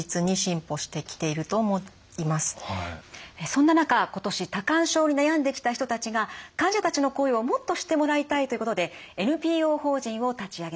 そんな中今年多汗症に悩んできた人たちが患者たちの声をもっと知ってもらいたいということでＮＰＯ法人を立ち上げました。